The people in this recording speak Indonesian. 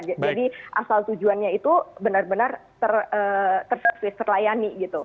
jadi asal tujuannya itu benar benar ter service terlayani